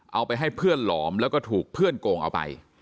เอาไปให้เพื่อนหลอมแล้วก็ถูกเพื่อนโกงเอาไป